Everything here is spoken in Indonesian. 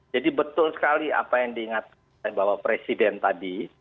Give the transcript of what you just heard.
jadi betul sekali apa yang diingatkan oleh bapak presiden tadi